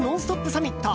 サミット。